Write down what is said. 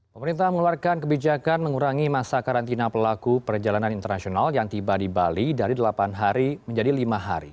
pemerintah mengeluarkan kebijakan mengurangi masa karantina pelaku perjalanan internasional yang tiba di bali dari delapan hari menjadi lima hari